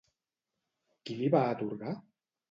Qui li va atorgar?